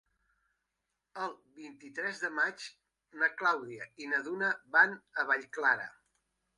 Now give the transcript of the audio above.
El vint-i-tres de maig na Clàudia i na Duna van a Vallclara.